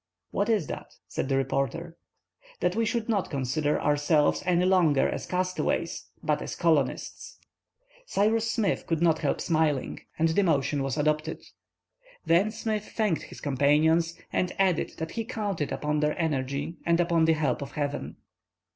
"What Is that?" said the reporter. "That we should not consider ourselves any longer as castaways, but as colonists." Cyrus Smith could not help smiling, and the motion was adopted. Then Smith thanked his companions, and added that he counted upon their energy and upon the help of Heaven.